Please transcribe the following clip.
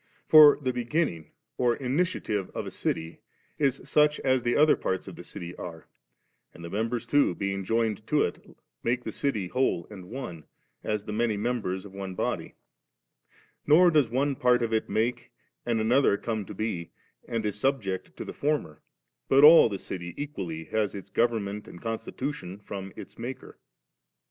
For the beginning or initiative of a city b such as the other parts of the dty are, and the members too being joined to i^ make the dty whole and one, as the many members of one body; nor does one part of it make^ and another come to be, and is subject to the former, but all the dty equally has its govern ment and constitution from its maker.